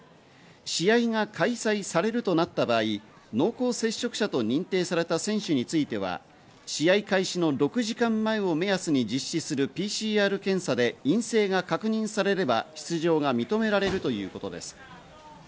試合が開催されるとなった場合、濃厚接触者と認定された選手については、試合開始の６時間前を目安に実施するＰＣＲ検査で陰性が確認されれば、出場が認められるということです。